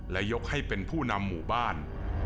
และยกให้เป็นผู้นำหมู่บ้าน